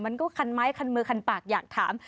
มันก็คันไม้คันมือคันปากอยากถาม